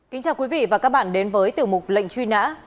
kính chào quý vị và các bạn đến với tiểu mục lệnh truy nã